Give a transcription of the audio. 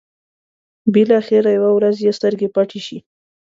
بلاخره يوه ورځ يې سترګې پټې شي.